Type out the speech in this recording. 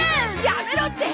やめろって！